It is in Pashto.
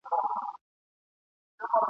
کرۍ ورځ یې په ځغستا او په مزلونو ..